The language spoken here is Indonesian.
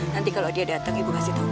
nanti kalau dia datang ibu kasih tau